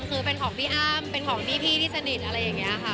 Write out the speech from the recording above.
คือเป็นของพี่อ้ำเป็นของพี่ที่สนิทอะไรอย่างนี้ค่ะ